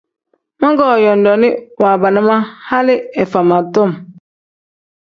Mogoo yodooni waabana ma hali ifama tom.